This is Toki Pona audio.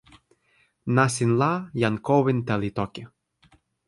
nasin la jan Kowinta li toki.